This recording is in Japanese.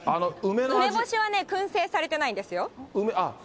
梅干しはね、くん製されてないんですよ。